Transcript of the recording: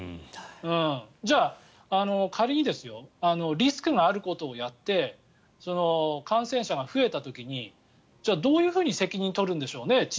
じゃあ、仮にリスクがあることをやって感染者が増えた時にどういうふうに責任取るんでしょうね